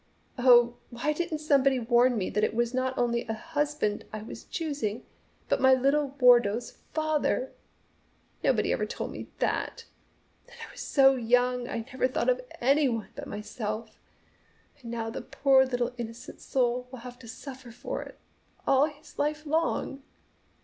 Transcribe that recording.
Oh, why didn't somebody warn me that it was not only a husband I was choosing but my little Wardo's father! Nobody ever told me that, and I was so young I never thought of any one but myself. And now the poor little innocent soul will have to suffer for it all his life long!"